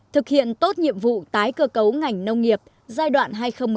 thực hiện tốt nhiệm vụ tái cơ cấu ngành nông nghiệp giai đoạn hai nghìn một mươi sáu hai nghìn hai mươi